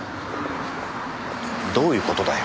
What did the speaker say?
どういう事だよ。